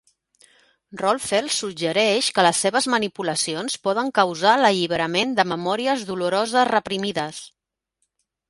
Rolfers suggereix que les seves manipulacions poden causar l'alliberament de memòries doloroses reprimides.